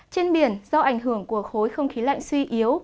trên biển do ảnh hưởng của khối không khí lạnh suy yếu